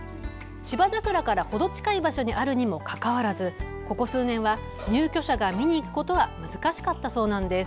芝桜から程近い場所にあるにもかかわらずここ数年は入居者が見に行くことは難しかったそうなんです。